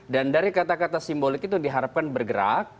dan dari kata kata simbolik itu diharapkan bergerak